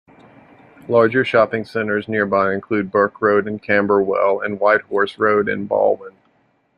Larger shopping centres nearby include Burke Road in Camberwell and Whitehorse Road in Balwyn.